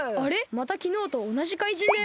またきのうとおなじかいじんだよ。